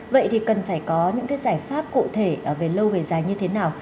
vậy thì cần phải có những cái giải pháp cụ thể về lâu về dài như thế nào